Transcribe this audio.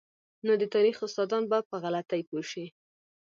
نو د تاریخ استادان به په غلطۍ پوه شي.